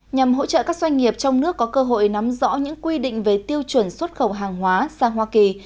nhằm hỗ trợ các doanh nghiệp trong nước có cơ hội nắm rõ những quy định về tiêu chuẩn xuất khẩu hàng hóa sang hoa kỳ